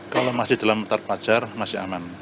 kalau masih dalam tat pacar masih aman